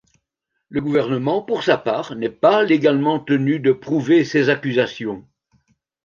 Le gouvernement pour sa part n'est pas légalement tenu de prouver ses accusations.